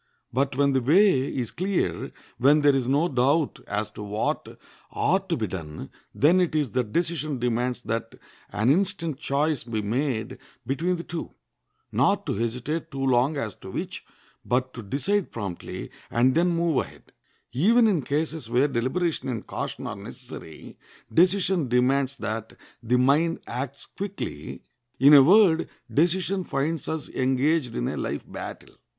But when the way is clear, when there is no doubt as to what ought to be done, then it is that decision demands that an instant choice be made between the two—not to hesitate too long as to which, but to decide promptly, and then move ahead. Even in cases where deliberation and caution are necessary, decision demands that the mind acts quickly. In a word, decision finds us engaged in a life battle.